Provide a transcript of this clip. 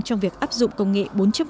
trong việc áp dụng công nghệ bốn